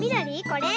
これ？